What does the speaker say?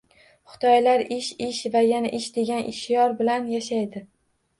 Xitoylar ish, ish va yana ish degan shior bilan yashaydi.